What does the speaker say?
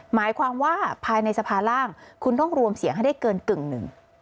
หมายความว่าภายในสภาร่างคุณต้องรวมเสียงให้ได้เกินกึ่งหนึ่ง